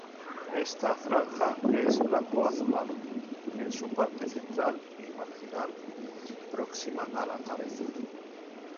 Esta franja es blanco-azulado en su parte central y marginal próxima a la cabeza.